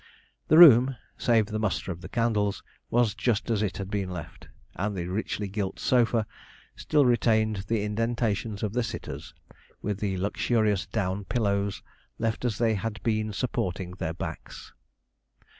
The room, save the muster of the candles, was just as it had been left; and the richly gilt sofa still retained the indentations of the sitters, with the luxurious down pillows, left as they had been supporting their backs.